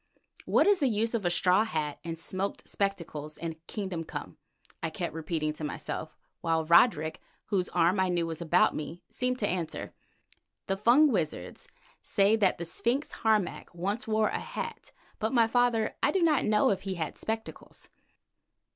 "What is the use of a straw hat and smoked spectacles in kingdom come?" I kept repeating to myself, while Roderick, whose arm I knew was about me, seemed to answer: "The Fung wizards say that the sphinx Harmac once wore a hat, but, my father, I do not know if he had spectacles."